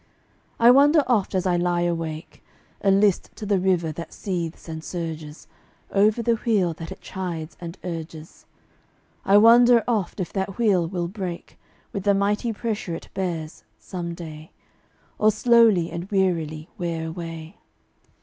And I wonder oft as I lie awake, And list to the river that seethes and surges Over the wheel that it chides and urges I wonder oft if that wheel will break With the mighty pressure it bears, some day, Or slowly and wearily wear away.